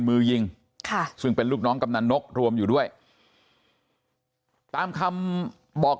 มือยิงค่ะซึ่งเป็นลูกน้องกำนันนกรวมอยู่ด้วยตามคำบอก